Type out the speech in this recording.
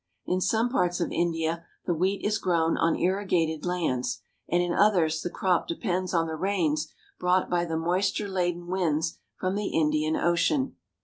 In some parts of India the wheat is grown on irrigated lands, and in others the crop depends on the rains brought by the moisture laden winds from the Indian Ocean.